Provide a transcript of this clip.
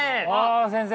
先生！